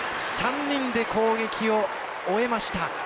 ３人で攻撃を終えました。